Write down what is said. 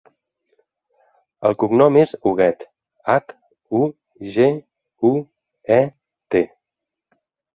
El cognom és Huguet: hac, u, ge, u, e, te.